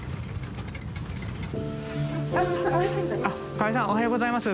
河合さんおはようございます。